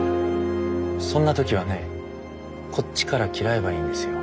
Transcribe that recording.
そんな時はねこっちから嫌えばいいんですよ。